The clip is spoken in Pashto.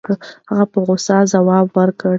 هغې په غوسه ځواب ورکړ.